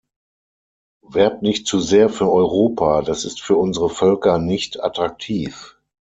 Werbt nicht zu sehr für Europa, das ist für unsere Völker nicht attraktiv.